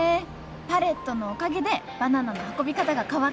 パレットのおかげでバナナの運び方が変わったのか。